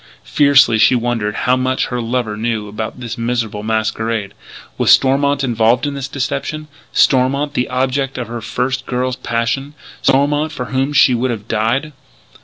Fiercely she wondered how much her lover knew about this miserable masquerade. Was Stormont involved in this deception Stormont, the object of her first girl's passion Stormont, for whom she would have died?